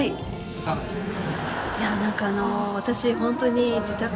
いかがでしたか？